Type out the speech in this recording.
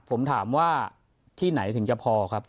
ผมถามว่าที่ไหนถึงจะพอครับ